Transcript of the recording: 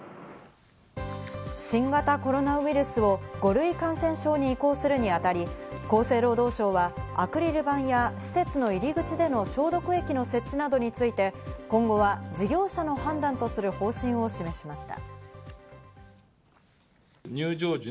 新型コロナウイルスを５類感染症に移行するにあたり、厚生労働省はアクリル板や施設の入り口での消毒液の設置などについて、今後は事業者の判断とする方針を示しました。